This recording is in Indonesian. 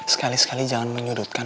sekali sekali jangan menyudutkan